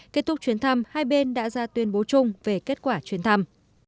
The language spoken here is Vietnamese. trong khuôn khổ chuyến thăm hai bên đã ra tuyên bố chung về kết quả chuyến thăm